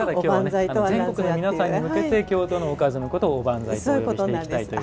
全国の皆さんに向けて京都のおかずのことをおばんざいということで。